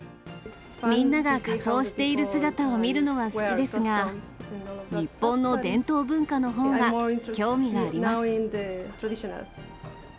みんなが仮装している姿を見るのは好きですが、日本の伝統文化のほうが興味があります。